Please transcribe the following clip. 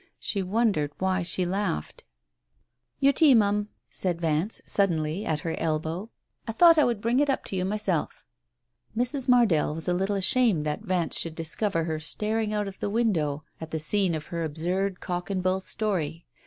... She wondered why she laughed. ... "Your tea, Ma'am!" said Vance suddenly at her Digitized by Google THE OPERATION 51 elbow. "I thought I would bring it up to you myself." Mrs. Mardell was a little ashamed that Vance should discover her staring out of the window at the scene of her absurd cock and bull story.